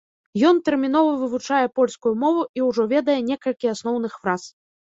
Ён тэрмінова вывучае польскую мову і ўжо ведае некалькі асноўных фраз.